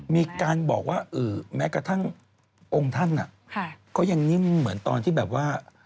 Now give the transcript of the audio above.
มีการบอกว่าแม้กระทั่งองค์ท่านก็ยังนิ่มเหมือนตอนที่แบบว่า